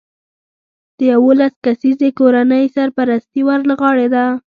د یولس کسیزې کورنۍ سرپرستي ور له غاړې ده